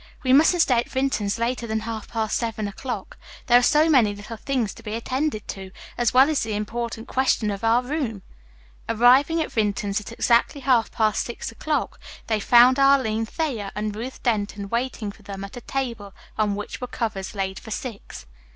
"We mustn't stay at Vinton's later than half past seven o'clock. There are so many little things to be attended to, as well as the important question of our room." Arriving at Vinton's at exactly half past six o'clock, they found Arline Thayer and Ruth Denton waiting for them at a table on which were covers laid for six.